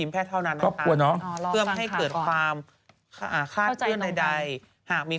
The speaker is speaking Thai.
อ๋อมาค่ะยังไงข่าวพี่อ๊อฟอ่ะพี่